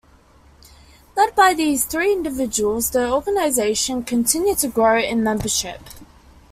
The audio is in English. Led by these three individuals, the organization continued to grow in membership.